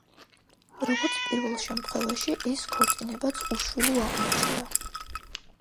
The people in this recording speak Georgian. როგორც პირველ შემთხვევაში, ეს ქორწინებაც უშვილო აღმოჩნდა.